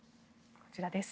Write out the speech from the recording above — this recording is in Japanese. こちらです。